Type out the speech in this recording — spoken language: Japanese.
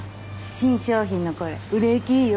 新商品のこれ売れ行きいいよ。